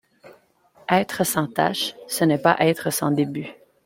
Être sans tache, ce n’est pas être sans début.